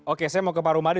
oke saya mau ke paru paru